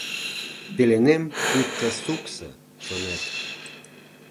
Пеленем пуйто суксо чонет: